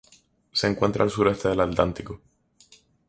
Se encuentra al suroeste del Atlántico.